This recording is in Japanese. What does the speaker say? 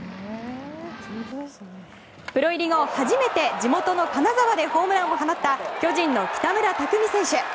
プロ入り後、初めて地元の金沢でホームランを放った巨人の北村拓己選手。